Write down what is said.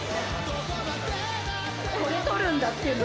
これ撮るんだっていう。